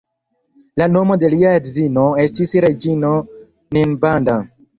La nomo de lia edzino estis reĝino Ninbanda.